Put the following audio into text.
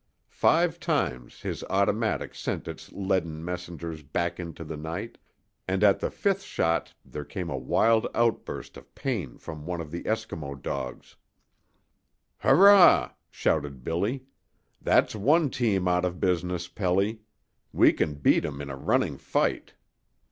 Five times his automatic sent its leaden messengers back into the night, and at the fifth shot there came a wild outburst of pain from one of the Eskimo dogs. "Hurrah!" shouted Billy. "That's one team out of business, Pelly. We can beat 'em in a running fight!"